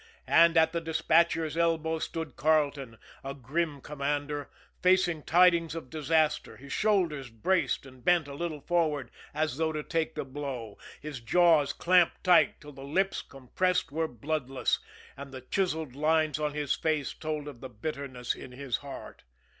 And at the despatcher's elbow stood Carleton, a grim commander, facing tidings of disaster, his shoulders braced and bent a little forward as though to take the blow, his jaws clamped tight till the lips, compressed, were bloodless, and the chiselled lines on his face told of the bitterness in his heart.